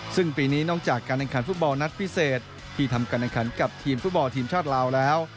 ซึ่งปีนี้นอกจากการแข่งขันฟุตบอลนัดพิเศษที่ทำการแข่งขันกับทีมฟุตบอลทีมชาติลาวแล้ว